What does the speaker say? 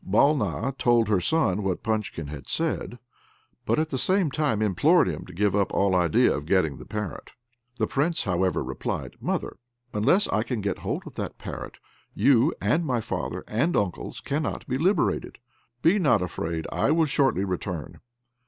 Balna told her son what Punchkin had said; but at the same time implored him to give up all idea of getting the parrot. The Prince, however, replied, "Mother, unless I can get hold of that parrot, you, and my father, and uncles, cannot be liberated: be not afraid, I will shortly return.